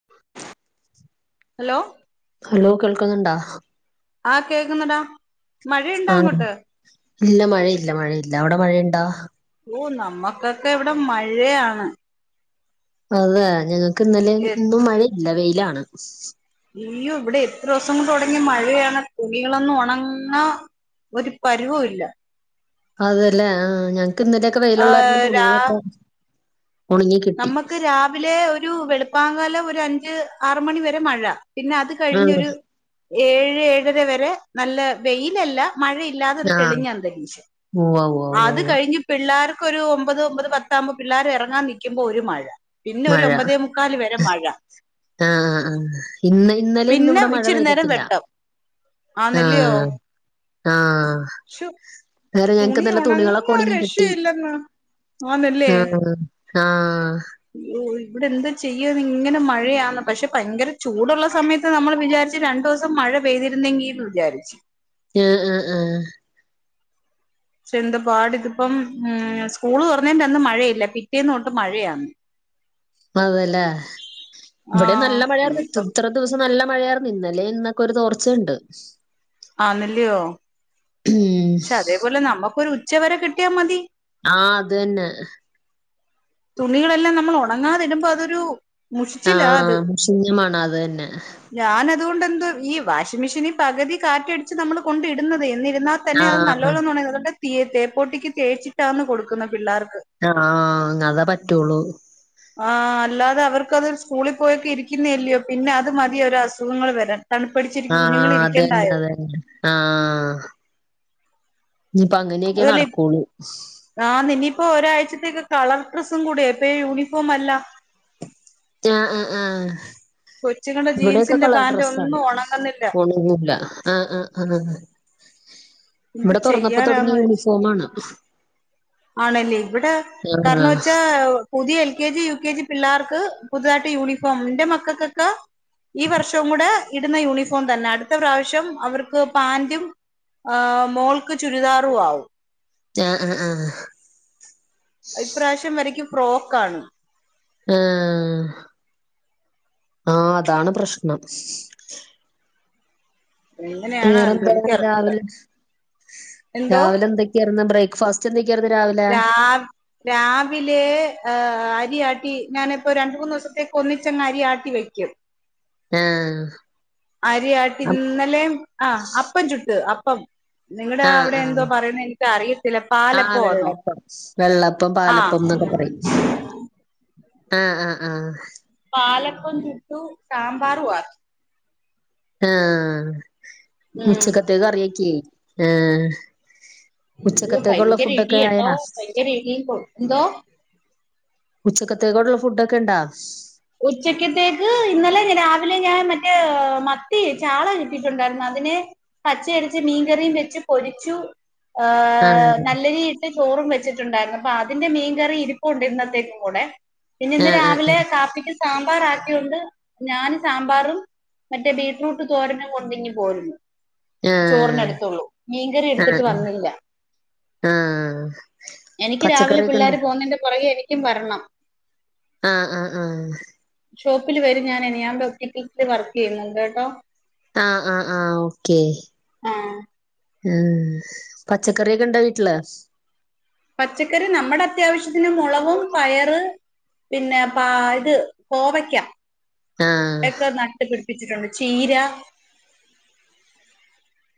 [inaudible] Hello hello കേൾക്കുന്നുണ്ടാ ആഹ കേക്കുന്നടാ ആഹ. ഇല്ല മഴയില്ല മഴയില്ല അവിടെ മഴയുണ്ടാ. ഓ നമ്മുക്കൊക്കെ ഇവിടെ മഴയാണ്. അതെ ഞങ്ങക്ക് ഇന്നലെ എ ഇന്നും മഴയില്ല. വെയിലാണ്. അയ്യോ. ഇവിടെ എത്ര ദിവസം കൊണ്ട് തുടങ്ങിയ മഴയാണ് തുണികളൊന്നും ഉണങ്ങ ഒരു പരിവവും ഇല്ല. അതല്ലേ. ആ് ഞങ്ങക്ക് ഇന്നല ഒക്കെ ആ വെയിലുള്ളവരുന്റെ തുണികളൊക്കെ ഉണങ്ങി കിട്ടി നമുക്ക് രാവിലെ ഒരു വെളുപ്പാകാലം ഒരു അഞ്ച് ആര് മണി വരെ മഴ പിന്നെ അത് അത് ആഹ് കഴിഞ്ഞൊരു ഏഴ് ഏഴര വരെ നല്ല വെയിലല്ല മഴയില്ലാതൊരു ആഹ് തെളിഞ്ഞ അന്തരീക്ഷ ഉവ്വ ഉവ്വ ഉവ്വ അത് ഉവ്വ കഴിഞ് പിള്ളേർക്കൊരു ഒമ്പത് ഒമ്പത് പത്താകുമ്പോ പിള്ളോര് ഇറങ്ങാൻ നിൽക്കുമ്പോ ഒരു മഴ പിന്നെ ഒരു മഴ ഒമ്പതേ മുക്കാൽ വരെ മഴ ആഹ് ആഹ് ഇന്ന് ഇന്നലെന്നും പിന്നെ ഇവിടെ മഴ പെയ്തിട്ടില്ല. ആണ്ല്ലയോ ആഹ് ആഹ് ശോ വേറെ ഞങ്ങക്ക് തുണി നല്ല തുണികളൊക്കെ ഉണങ്ങാ ഒരു ഒണങ്ങി കിട്ടി രക്ഷയില്ലെന്ന് ആഹ്. ആഹ് യേ ഇവിടെ എന്താ ചെയ്യാ ഇങ്ങനെ മഴയാണ്. പക്ഷെ ഭയങ്കര ചൂടുള്ള സമയത്ത് നമ്മൾ വിചാരിച്ച് രണ്ടു ദിവസം മഴ പെയ്തിരുന്നെങ്കിൽന്ന് വിചാരിച്ചു ആഹ് അഹ്‌ അഹ്‌ പക്ഷെ എന്ത പാട് ഇതിപ്പം. ഉ സ്കൂള് തുറന്നന്റന്ന് മഴയില്ല പിറ്റേന്ന് തൊട്ട് മഴയാണ്. [inaudible] അതല്ലേ ഇവിടെ ആഹ് നല്ല മഴയായിരുന്നു ഇനിയിപ്പം ഇത്ര ദിവസം നല്ല മഴയായിരുന്നു ഇന്നലെ ഇന്നൊക്കെ ഒരു തോർച്ചയുണ്ട്. ആ നല്ലയോ ഉം പക്ഷെ അതേപോലെ നമ്മുക്കൊരു ഉച്ചവരെ കിട്ടിയാൽ മതി. ആഹ് അത് തന്നെ തുണികളെല്ലാം നമ്മൾ ഉണങ്ങാതിടുമ്പോ അതൊരു മുഷിച്ചിലാ ആഹ് മുഷിഞ്ഞ മണം അത് തന്നെ ഞാൻ അതുകൊണ്ട് എന്തോ ഈ വാഷിംഗ മെഷീൻ പകുതി കാറ്റടിച്ച് നമ്മൾ കൊണ്ട ഇടുന്നത് എന്നിരുന്നാ തന്നെ ആ അത് നല്ലോലൊന്നു ഉണങ്ങിട്ട് തേപ്പപ്പോട്ടിക്ക് തേച്ചിട്ടാന്ന് കൊടുക്കുന്ന പിള്ളേർക്ക് ആഹ് അതെ പറ്റുള്ളൂ ആഹ് അല്ലാതെ അവർക്ക്ത് സ്കൂളിൽ പോയൊക്കെ ഇരിക്കുന്നല്ലയോ പിന്നെ അത് മതി ഒരു അസുഖങ്ങൾ വരാൻ. തണുപ്പടിച്ചു ആഹ് അത് തന്നെ, അത് തന്നെ ആഹ് ഇനിയിപ്പ അങ്ങനെയൊക്കെ നടക്കുള്ളൂ ആഹ് നിനിയിപ്പോ ഒരാഴ്ചത്തേക്ക് കളർ ഡ്രസ്സും കൂടിയ ഇപ്പ യൂണിഫോം അല്ല ആഹ് ആഹ് ആഹ് കൊച്ചുങ്ങളുടെ ഇവിടെക്കെ ജീൻസിന്റെ കളർ പാന്റ് ഡ്രെസ്സ ആണ് ഒന്നും ഉണങ്ങുന്നില്ല ഫോമന്നില്ല ആഹ് ആഹ് ആഹ് അഹ് എന്ത് ഇവിടെ തുറന്നപ്പോ തുടങ്ങിയ ചെയ്യാനാന്ന് യൂണിഫോം ആണ് ആണല്ലേ ഇവിടെ കാരണം വെച്ചാ പുതിയ L K G U K G പിള്ളേർക്ക് പുതുതായിട്ട് യൂണിഫോം എന്റെ മക്കൾക്കൊക്കെ ഈ വർഷവും കൂടെ ഇടുന്ന യൂണിഫോം തന്നെ അടുത്ത പ്രാവശ്യം അവർക്ക് പാന്റും ആഹ് മോൾക്ക് ചുരിദാറു ആവും ആഹ് ആഹ് ആഹ് ഇപ്രാവശ്യം വരയ്ക്ക് ഫ്രോക്കാണ് ആഹ് ആഹ് അതാണ് പ്രശ്നം എങ്ങനെയാണോ എന്തോ വേറെന്താ എനിക്കറിഞ്ഞൂട രാവിലെ എന്തോ രാവിലെ എന്തൊക്കെയായിരുന്നാ ബ്രേക്ക്ഫാസ് റ്റെൻതക്കയായിരുന്നു രാവിലെ രാവ് രാവിലെ ഏഹ് അരിയാട്ടി ഞാനിപ്പോ രണ്ട് മൂന്ന് ദിവസത്തേക്ക് ഒന്നിച്ചങ്ങ് അരിയാട്ടി വെക്കും [unintelligible] ആഹ് അരിയാട്ടി ഇന്നലെ ആഹ് അപ്പം ചുട്ട് അപ്പം നിങ്ങടെ ആ അവിടെ ആ എന്തോ പറയുന്നെ എനിക്ക് അറിയത്തില്ല ആ പാലപ്പോന്നോ വെള്ളപ്പം വെള്ളപ്പം പാലപ്പം എന്നൊക്കെ പറയും ആഹ് ആഹ് ആഹ് പാലപ്പം ചുട്ടു സാമ്പാറുംആക്കി ആഹ് ഉം ഉച്ചക്കത്തേക്ക് കറിയക്കി ആഹ് ഇ ഭയങ്കര എരി കേട്ടോ, ഭയങ്കര എരി, എന്തോ ഉച്ചക്കത്തേക്കോള്ള ഫുഡ്ഡോക്കെണ്ടോ ഉച്ചക്കത്തേക്ക് ഇന്നലെ രാവിലെ ഞാൻ മറ്റേ മത്തി ചാള കിട്ടിട്ടുണ്ടായിരുന്നു അതിനെ പച്ചയടിച്ച് മീൻകറി വെച്ച് പൊരിച്ചു ആ ആഹ് നല്ല രീ ചോറും വെച്ചിട്ടുണ്ടായിരുന്നു അപ്പൊ അതിന്റെ മീൻകറി ഇരിപ്പുണ്ട് ഇന്നത്തേക്കും കൂടെ പിന്നെ ആ ഇന്ന് ആ രാവിലെ കാപ്പിക്ക് സാമ്പാറ് ആക്കിയൊണ്ട് ഞാന് സാമ്പാറും മറ്റേ ബീറ്റ്റൂട്ട് തോരനു കൊണ്ടിങ്ങി പോരുന്നു ആ ചോറിന ആ എടുത്തുള്ളൂ മീൻകറി എടുത്തിട്ട് വന്നില്ല ആ എനിക്ക് രാവിലെ പച്ചക്കറിയൊക്കെ ഉണ്ടോ പിള്ളോര് പോകുന്നതിന്റെ പുറകെ എനിക്കും വരണം ആഹ് ആഹ് ആഹ് ഷോപ്പിൽ വരും ഞാന് ഞാൻ ഒപ്റ്റിക്കൽസിൽ വർക്ക് ചെയ്യുന്നുണ്ട്ട്ടോ ആഹ് ആഹ് ആഹ് ഓക്കെ ആ ഉം പച്ചക്കറിയൊക്കെ ഇണ്ടോ വീട്ടില് പച്ചക്കറി നമ്മടെ അത്യാവശ്യത്തിന് മുളകും പയറ് പിന്നെ പ ഇത് കോവക്ക ആ ഒക്കെ ന ട്ട് പിടിപ്പിച്ചിട്ടുണ്ട് ചീര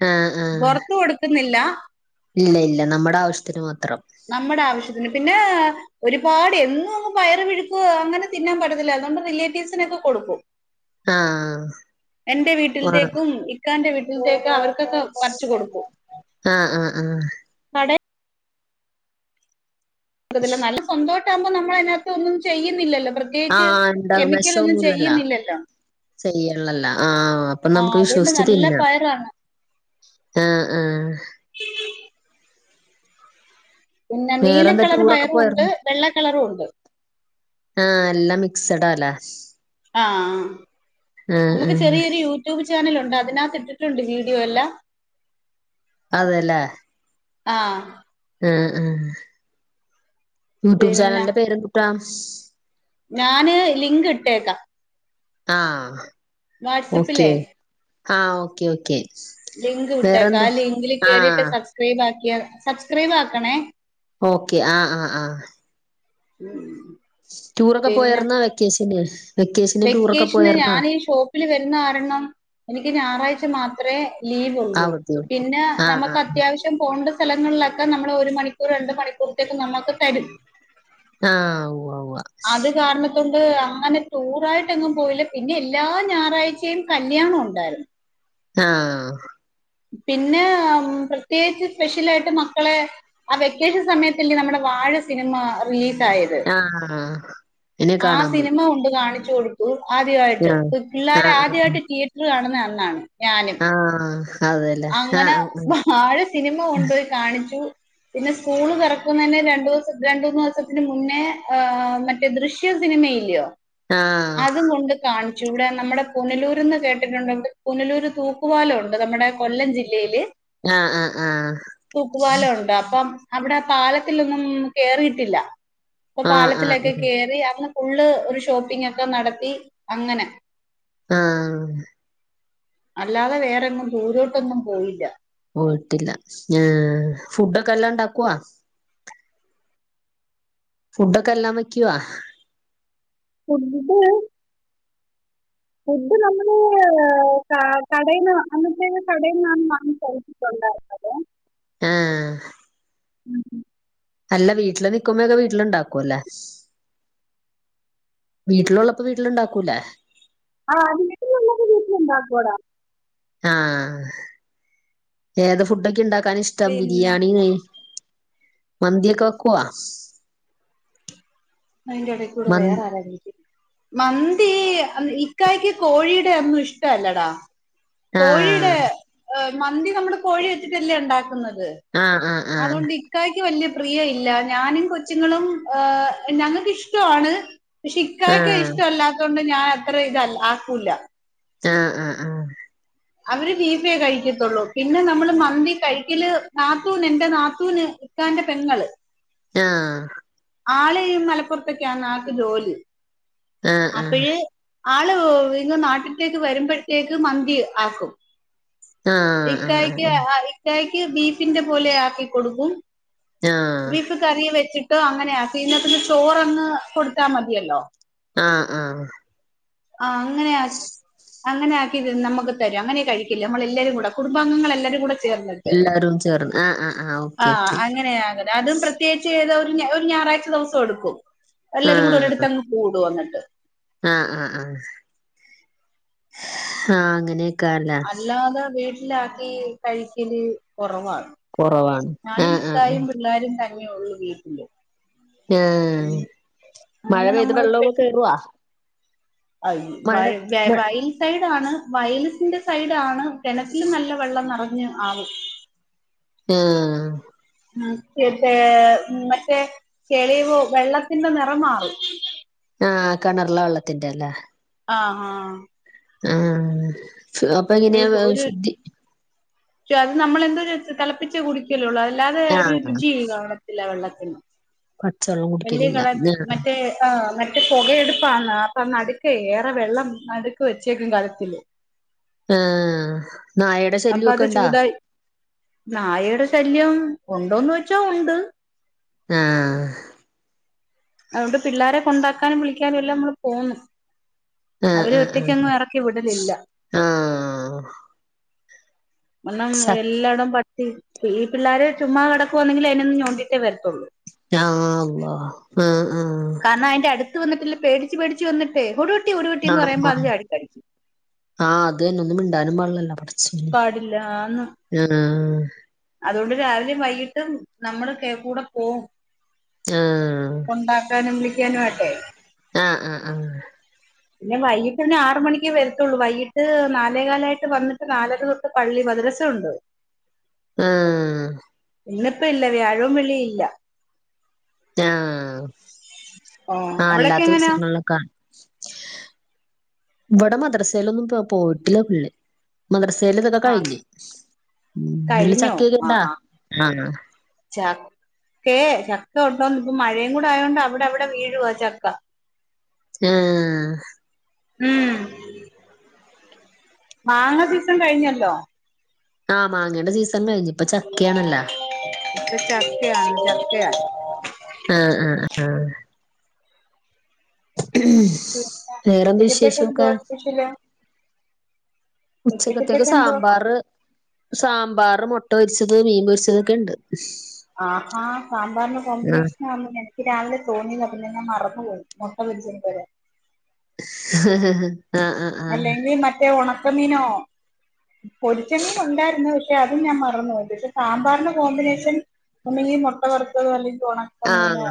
ആ ആ പൊറത്ത് കൊടുക്കുന്നില്ല ഇല്ല ഇല്ല നമ്മടെ ആവശ്യത്തിന് മാത്രം നമ്മടെ ആവശ്യത്തിന് പിന്നെ ഒരുപാട് എന്നും അങ്ങ് പയറ് മെഴുക്ക് അങ്ങനെ തിന്നാൻ പറ്റത്തില്ലാ അതുകൊണ്ട് റിലേറ്റീവ്സിനൊക്കെ കൊടുക്കും ആ [unintelligible] എന്റെ വീട്ടിൽത്തേക്കും ഇക്കാന്റെ വീട്ടിൽത്തേക്കും അവർക്കൊക്കെ പറിച്ച് കൊടുക്കും ആ ആഹ് ആഹ് ആഹ് കടയിൽ [unintelligible] നല്ല സ്വന്തവായിട്ടാകുമ്പോ നമ്മളയിനാത്ത് ഒന്നും ചെയ്യുന്നില്ലല്ലോ പ്രത് പ്രത്യകിച്ച് ആഹ് ഉണ്ടാകും കെമിക്കലൊന്നും ചെയ്യുന്നില്ലല്ലോ ചെയ്യാള്ളല്ലോ ആഹ് അപ്പൊ ആ നമ്മക്ക് അതുകൊണ്ട് വിശ്വസിച്ച് നല്ല തിന്നാം പയറാണ് ആഹ് ആഹ് പിന്നെ വേറെന്താ നീലക്കളര് ടൂറൊക്കെ പയറും ഇണ്ട് പോയാർന്നോ വെള്ള കളറൂണ്ട് ആഹ് എല്ലാം മിക്സഡാല്ലേ ആഹ് ആഹ് നമ്മക്ക് ആഹ് ചെറിയൊരു യു യൂട്യൂബ് ചാനലുണ്ട് അതിനാത്ത് ഇട്ടിട്ടുണ്ട് വീഡിയോ എല്ലാം അതെല്ലേ ആഹ് ആഹ് ആഹ് യൂട്യൂബ് പിന്നെ ചാനലിന്റെ പേരെന്തുട്ടാ? ഞാന് ലിങ്ക് ഇട്ടേക്കാം ആഹ് ഓക്കെ വാട്സപ്പിലേ ആഹ് ഓക്കെ ഓക്കെ ലിങ്ക് വിട്ടേക്കാ വേറെന്ത് ആ ലിങ്കില് കേറീട്ട് ആഹ് സബ്സ്ക്രൈബ് ആക്കിയാ സബ്സ്ക്രൈബ് ആക്കണേ ഓക്കെ ആഹ് ആഹ് ആഹ് ഉം ടൂറൊക്കെ പോയാരുന്നാ വെക്കേഷന് വെക്കേഷന് ടൂറൊക്കെ പോയാരുന്നാ? വെരുന്ന കാരണം എനിക്ക് ഞായറാഴ്ച്ച മാത്രേ ലീവൊള്ളൂ അവധിയോണ്ട് പിന്നെ ആഹ് നമ്മക്ക് ആഹ് അത്യാവശ്യം ശ്യം പോണ്ടെ സ്ഥലങ്ങളിലൊക്കെ നമ്മള് ഒരു മണിക്കൂറ് രണ്ട് മണിക്കൂറത്തേക്ക് നമ്മൾക്ക് തരും ആഹ് ഉവ്വാ ഉവ്വാ അത് കാരണ അതുകൊണ്ട് അങ്ങനെ ടൂറായിട്ടെങ്ങും പോയില്ലാ പിന്നെ എല്ലാ ഞായറാഴ്ച്ചയും കല്യാണം ഒണ്ടായിരുന്നു ആഹ് പിന്നെ പ്രത്യേകിച്ച് സ്പെഷ്യലായിട്ട് മക്കളെ ആ വെക്കേഷൻ സമയത്തല്ലെ നമ്മടെ വാഴ സിനിമ റിലീസായെ ആഹ് ഇനെ ആ കാണാൻ പോയി സിനിമ കൊണ്ട് കാണിച്ചു കൊടു ആദ്യവായിട്ട് ആഹ് പിള്ളേര് ആഹ് ആദ്യവായിട്ട് തിയേറ്ററ് കാണുന്നെ അന്നാണ് ഞാനും ആഹ് അതെല്ലേ അങ്ങനെ ആഹ് വാഴ സിനിമ കൊണ്ടോയി കാണിച്ചു പിന്നെ സ്കൂള് തു റക്കുന്ന തന്നെ രണ്ടു ദിവസം രണ്ട മൂന്ന് ദിവസത്തിന് മുന്നേ് മ ദൃശ്യ സിനിമല്ലയോ ആഹ് അത കൊണ്ട് കാ ഇവിടെ നമ്മുടെ പുനലൂർന്ന് കേട്ടിട്ടുണ്ട്വി പുനലൂര് തൂക്കുപാലംഉ ണ്ട് നമ്മുടെ,, കൊല്ലം ജില്ലയില് ആഹ് ആഹ് ആഹ് തൂക്കുപാലം ഉണ്ട് അപ്പം അവിടെ പാലത്തിൊന്നും കേറിയിട്ടില്ല അപ്പൊ ആഹ് ആഹ് പാലത്തിലൊക്കെ കേറി അങ്‌,, ഫുള് ഒരു ഷോപ്പിംഗ് ഒക്കെ നടത്തി അങ്ങനെ ആഹ് അല്ലാതെ വേറെൊങ്ങും ദൂരോട്ടൊന്നും പോയില്ല പോയിയിട്ടില്ലഅഹ് ഫുഡൊക്കെ എല്ലാംണ്ടാക്കവാ ഫുഡൊക്കെ എല്ലാം വയ്ക്കവാ ഫുഡ് ഫുഡ് നമ്മള് കടയിന്ന് അന്നത്തേ കടയിൽന്ന് വാങ്ങിച്ച കഴി,, ഉണ്ടാകുന്നത് ആഹ് ഉം ഉം അല്ല വീട്ടില് നിക്കുമ്പോ ഒക്കെ വീട്ടിലുണ്ടാക്കും അല്ലേ വീട്ടിലുള്ളപ്പോ വീട്ടിലുണ്ടാക്കൂല്ലേ ആഹ് അത് വീട്ടിലുള്ളപ്പ് വീട്ടില് ഉണ്ടാക്കോടാ ആഹ ഏത് ഫുഡൊക്കെ ഉണ്ടാക്കൻ ഇഷ്ട ഇഷ്ടം പിന്നെ ബിരിയാണിന്ന് മന്തിയൊക്കെ വെക്കവാ അതിന്റെ ഇടക്കൂടെ മ വേറെ ആരാരിക്കും മന്തി ഇക്കായ്ക്ക് കോഴിയുടെ ഒന്നും ഇഷ്ട അല്ലെടാ കോഴിയുടെ ആഹ് മന്തി നമ്മള് കോഴി വെച്ചിട്ടല്ലേ ഉണ്ടാക്കുന്നത് ആഹ് ആഹ് ആഹ് അതുകൊണ്ട്ി ഇക്കായ്ക്ക് വല്യ പ്രിയ ഇല്ല ഞാനും കൊച്ചുങ്ങളും ഏഹ് ഞങ്ങൾക്കിഷ്ടമാണ് പക്ഷ ഇക്കായക്കെ ഇഷ്ടമല്ലാത്തുകൊണ്ട് ഞാൻ അത്ര ഇതല്ല ആക്കൂല ആഹ ആഹ് ആഹ് അവര് ബീഫ് കഴിക്കത്തുള്ളൂ പിന്നെ നമ്മള് മന്തി കഴിക്കല് നാത്തൂന് എന്റെ നാത്തൂന് ഇക്കാന്റെ പെങ്ങള് ആഹ് ആള് മലപ്പുറത്തൊക്കാ ആൾക്ക് ജോലി ആഹ് ആഹ് അപ്പഴേ ആള് ഇങ്ങ് നാട്ടിലത്തേക്ക് വരുമ്പോഴത്തേക്ക് മന്തി ആക്കും. ആഹ് ആഹ് ഇക്കായ്ക്ക് അഹ് ഇക്കായ്ക്ക് ബീഫിന്റെ പോലെ ആക്കി കൊടുക്കും ആഹ് ബീഫ് കറി വെച്ചിട്ടോ അങ്ങനെയാക്കി എന്നാ പിന്നെ ചോറങ്ങ് കൊടുത്താ മതിയല്ലോ ആഹ് ആഹ് ആ ഹ് അങ്ങനെയാ അങ്ങനെക്കി നമുക്കു തരും അങ്ങനെ കഴിക്കില്ലേ നമ്മള എല്ലാരും കൂ കുടുംബാംഗങ്ങൾ എല്ലാരും കൂടെ ചേർന്നിട്ട് എല്ലാരും ചേർന്ന് ആഹ് ആഹ് ഓക്കെ ആഹ് ഓക്കെ അങ്ങനെയങ്ങനെ അതും പ്രത്യേക ചെയ്ത് ഒരു ഞറാഴ്ച ദിവസം എടുക്കും എല്ലാരും കൂടെ ഒരിടുത്ത് ആഹ് അങ്ങ് കൂടും എന്നിട്ട് ആഹ് ആഹ് അഹ് അങ്ങനെ അല്ലാതെ വീട്ടിലാക്കി കഴിക്കല് കുറവാാണ് കൊറവാണ് ഞനും ആഹ് ആഹ് ആഹ് ഇത്തായും പിള്ളാരും തന്നെ യള്ളു വീട്ടില് ആഹ് മഴ അങ്ങനെ പെയ്ത് നമ്മള് വെള്ളക്കെ കേറോ അയ് വയ വെ വയൽ സൈഡാണ് വയൽസിന്റെ സൈഡാണ് കെണറ്റിലും നല്ല വെള്ളം നെറഞ്ഞ് ആവും. ആഹ് മറ്റേ ചേ ഉമ്മറ്റെ കേളിവ് വെള്ളത്തിന്റെ നിറം മാറും ആഹ്, കെണർലെ വെള്ളത്തിന്റെ അല്ലേ ആഹ്, ആഹ് ആഹ്, സ് അപ്പൊ എങ്ങനെയ വെ ശുദ്ധി പക്ഷെ, അത് നമ്മളെന്തോ ചെയ്ത് തെളപ്പിച്ച് കുടിയ്ക്കല്ലൊള്ളൂ അതല്ലാതെ ആഹ് രുചി കാണ് ല്ല വെള്ളത്തിന്, പച്ചവെള്ളം വല്ല്യ കുടിക്കലില്ല കളർ മറ്റേ ആഹ് മറ്റ് ട്ട് പൊകയടുപ്പാണ് അപ്പൊ നടുക്കെയ് ഏറെ വെള്ളം നടുക്ക് വെച്ചേക്കും കലത്തില് ആഹ്, നായ അപ്പൊ അത് ചൂടായി നായയുടെ ശല്ല്യം ഉണ്ടോന്ന് വെച്ചാ ഉണ്ട് ആഹ്. അതുകൊണ്ട് പിള്ളാരെ കൊണ്ടാക്കാനും വിളിക്കാനും എല്ലാം നമ്മള് പോവുന്നു. ആഹ് അവരെ ആഹ് ആഹ് ഒറ്റയ്ക്കങ്ങു എറക്കി വിടലില്ല. ആഹ്. കാരണം എല്ലായിടം പട്ടി, ഈ പിള്ളോരെ ചുമ്മാ കെടക്കുവാന്നെങ്കിലും അതിനൊന്ന് ഞൗണ്ടിട്ടേ വരത്തുള്ളൂ. യാ അള്ളാ ആഹ്, ആഹ് കാരണം അതിന്റെ അടുത്ത് വന്നിട്ടില്ല പേടിച്ച് പേടിച്ച് വന്നിട്ടെ [unintelligible] ആഹ്, ആഹ് ആഹ് അത് തന്നെ ഒന്നും മിണ്ടാനും പാടില്ലല്ലോ. പട പാടില്ലാന്ന്. ആഹ് അതോണ്ട് രാവിലിം വൈകീട്ടും നമ്മളൊക്കെ കൂടെ പോവും. ആ കൊണ്ടാക്കാനും വിളിക്കാനു ആയ്ട്ടെ ആഹ് ആഹ് ആഹ് പിന്നെ വൈകിട്ട് പിന്നെ ആറ് മണിക്ക് വെരത്തുള്ളൂ. വൈകിട്ട് നാലേകാലായിട്ട് വന്നിട്ട് നാലര തൊ ട്ട് പള്ളി മദ്രസ ഉണ്ട്. ആഹ്. ഇന്നിപ്പ ഇല്ല വ്യാഴവും വെള്ളി ഇല്ല ആഹ് ഓ ആഹ് അവിടൊക്കെ എങ്ങനെയാ അല്ലാത്തൂസങ്ങൾലൊക്കെ വടെ മദ്രസയിലൊന്നും പോ പോയിട്ടില്ല പു ള്ളി മദ്രസേല് ഇതൊക്കെ ആ കഴിഞ്ഞ്. മ് തില് കഴിഞ്ഞോ ചക്കൊക്കെണ്ടാ ച്ചാ ക്കേ ചക്ക ഒണ്ടോന്ന് ഇപ്പൊ മഴേം കൂടെ ആയോണ്ടവിട അവിട വീഴുവാ ചക്ക. ആഹ് ഉം മാങ്ങ സീസൺ കഴിഞ്ഞല്ലോ ആഹ് മാങ്ങേൻ്റെ സീസൺ കഴിഞ്ഞു. ഇപ്പ ചക്കയാണല്ലാ. ഇപ്പൊ ചക്കയാണ് ചക്കയാ ആഹ്, ആഹ് ആഹ് പിന്നെ വേറെന്തു ഉച്ചക്കത്തേക്ക് വിശേഷം ഒക്കെ എന്തുവാ സ്പെഷ്യല് ഉച്ചക്കത്തേക്ക് സാമ്പാറ് സാമ്പാറ്, മുട്ട പൊരിച്ചത്, മീൻ പൊരിച്ചതൊക്കെണ്ട്. ആഹാ, സാമ്പാറിനു കോംമ്പിനേഷൻ ആന്നു ലേ രാവിലെ തോന്നിയതാ പിന്നെ ഞാൻ മറന്നു പോകും മുട്ട പൊരിച്ചോണ്ട് വരാൻ [unintelligible] ആഹ് അല്ലെങ്കിൽ മറ്റേ ഉണക്കമീനോ?. പൊരിച്ചമീൻ ഉണ്ടായിരുന്നു. പക്ഷേ അതും ഞാൻ മറന്നു പോയി പക്ഷെ സാമ്പാറിന്റെ കോമ്പിനേഷൻ ഒന്നുകിൽ മുട്ട വറുത്തതോ അല്ലെങ്കിൽ ഉണക്ക മീനോ ആഹ്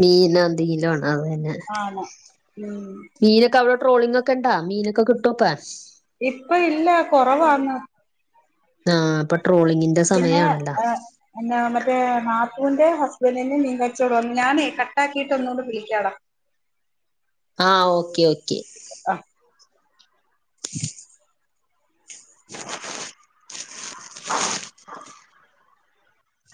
മീനോന്തങ്കിലും ആണ്, അത് തന്നെ ആണ്, ഉം മീനൊക്കെ അവിടെ ട്രോളിംഗ് ഒക്കെ ഉണ്ടോ മീനക്കെ കിട്ടുവോപ്പ ഇപ്പ ഇല്ല കുറവാന്ന്. ആഹ് ഇപ്പൊ ട്രോളിങ്ങിന്റെ പിന്നെ സമയ ആണല്ലോ?. ഏഹ് എന്നാ മറ്റേ നാത്തുവിന്റെ ഹസ്ബൻ്റിന് മീൻ കച്ചോടാണു, ഞാനെ കട്ടാക്കിട്ട് ഒന്നുകൂടെ വിളിക്കാടാ ആഹ് ഓക്കേ ഓക്കെ [inaudible] [inaudible]